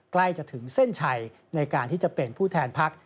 ใกล้จะถึงเส้นชัยในการที่จะเป็นผู้แทนพัก